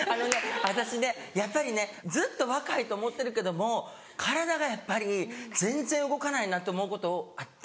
私ねやっぱりねずっと若いと思ってるけども体がやっぱり全然動かないなって思うことあって。